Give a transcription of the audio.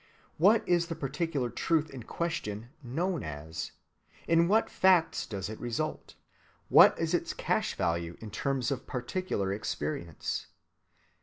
What is the particular truth in question known as? In what facts does it result? What is its cash‐value in terms of particular experience?